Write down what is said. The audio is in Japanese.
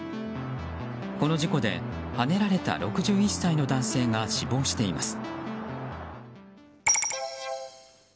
この事故ではねられた６１歳の男性が死亡しています。